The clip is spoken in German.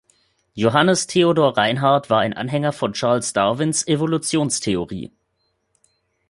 Johannes Theodor Reinhardt war ein Anhänger von Charles Darwins Evolutionstheorie.